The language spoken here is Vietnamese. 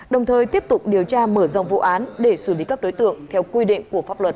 đồng thời tiếp tục điều tra mở rộng vụ án để xử lý các đối tượng theo quy định của pháp luật